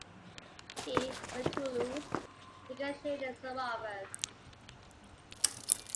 He, for Toulouse negotiated some offers.